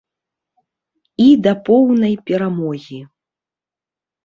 І да поўнай перамогі.